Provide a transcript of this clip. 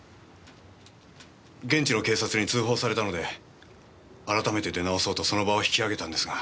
現地の警察に通報されたので改めて出直そうとその場を引き揚げたんですが。